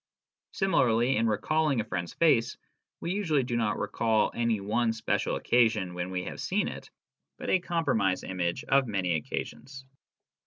Similarly in recalling a friend's face we usually do not recall any one special occasion when we have seen it, but a com promise image of many occasions.